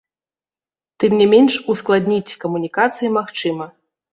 Тым не менш, ускладніць камунікацыі магчыма.